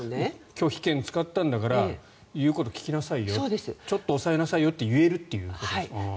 拒否権を使ったんだから言うことを聞きなさいよちょっと抑えなさいよって言えるってことですか。